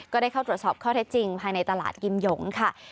ก็ได้เข้าตรวจสอบข้อเท็จจริงภายในตลาดกิมหยงค่ะ